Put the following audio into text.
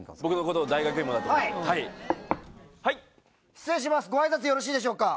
・失礼しますご挨拶よろしいでしょうか？